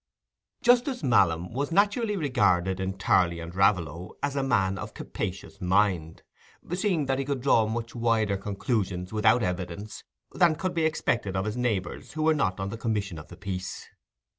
Justice Malam was naturally regarded in Tarley and Raveloe as a man of capacious mind, seeing that he could draw much wider conclusions without evidence than could be expected of his neighbours who were not on the Commission of the Peace.